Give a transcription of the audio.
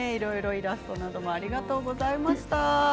イラストなどもありがとうございました。